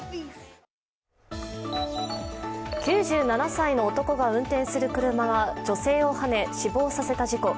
９７歳の男が運転する車が女性をはね死亡させた事故。